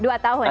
ada dua tahun